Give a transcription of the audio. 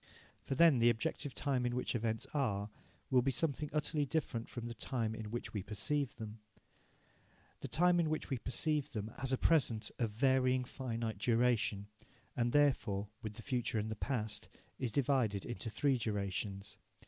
For then the objective time in which events are will be something utterly different from the time in which we perceive them. The time in which we perceive them has a present of varying finite duration, and, therefore, with the future and the past, is divided into three durations.